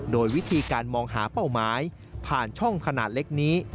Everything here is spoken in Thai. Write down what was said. โดยวิธีการมองหาเป้าหมายผ่านช่องขนาดเล็กนี้